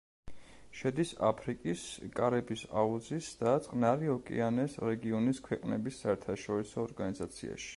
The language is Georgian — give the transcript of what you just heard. შედის აფრიკის, კარიბის აუზის და წყნარი ოკეანის რეგიონის ქვეყნების საერთაშორისო ორგანიზაციაში.